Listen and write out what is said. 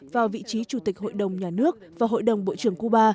vào vị trí chủ tịch hội đồng nhà nước và hội đồng bộ trưởng cuba